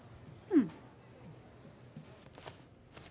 うん。